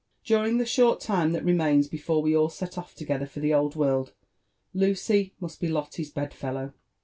During the short time that remains before we all set off together for the Old World, Lucy must be Lotte's bed fellow.